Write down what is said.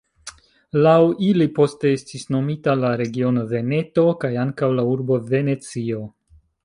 Laŭ ili poste estis nomita la regiono Veneto, kaj ankaŭ la urbo Venecio.